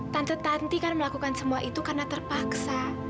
tante tante kan melakukan semua itu karena terpaksa